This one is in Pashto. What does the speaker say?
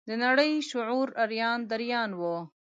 د نړۍ شعور اریان دریان و.